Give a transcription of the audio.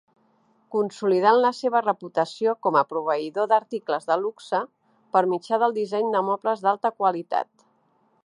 Consolidant la seva reputació com a proveïdor d'articles de luxe per mitjà del disseny de mobles d'alta qualitat